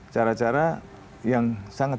cara cara yang sangat